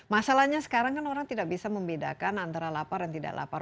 masalahnya sekarang kan orang tidak bisa membedakan antara lapar dan tidak lapar